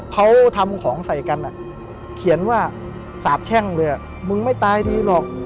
เขาทำของใส่กันเขียนว่าสาบแช่งเลยมึงไม่ตายดีหรอก